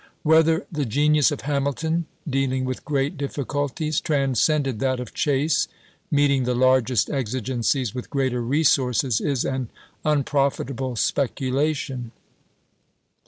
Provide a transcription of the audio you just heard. . Whether the genius of Hamilton, dealing with great difficulties, transcended that of Chase, meeting the largest exigencies with greater resources, is an unprofitable spec ulation.